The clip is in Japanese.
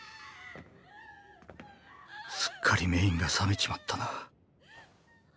すっかりメインが冷めちまったな。